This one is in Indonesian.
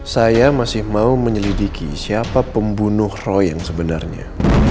saya masih mau menyelidiki siapa pembunuh roy yang sebenarnya